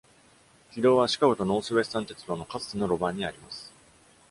軌道は、シカゴとノースウェスタン鉄道のかつての路盤にあります。